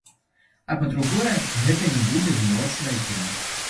А па-другое, гэта не будзе змрочнае кіно.